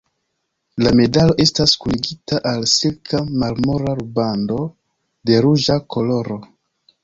La medalo estas kunigita al silka marmora rubando de ruĝa koloro.